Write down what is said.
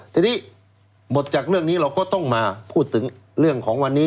ทีนี้หมดจากเรื่องนี้เราก็ต้องมาพูดถึงเรื่องของวันนี้